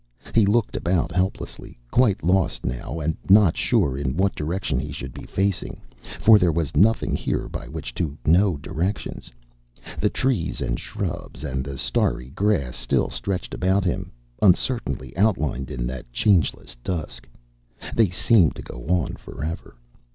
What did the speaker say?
He looked about helplessly, quite lost now and not sure in what direction he should be facing, for there was nothing here by which to know directions. The trees and shrubs and the starry grass still stretched about him, uncertainly outlined in that changeless dusk. They seemed to go on for ever.